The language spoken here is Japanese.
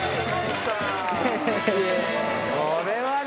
これはね。